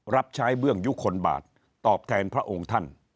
รับใช้เบื้องยุคลบาทตอบแทนพระองค์ท่าน